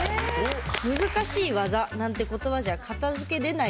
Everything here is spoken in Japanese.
難しい技なんて言葉じゃ片づけれないぐらいの。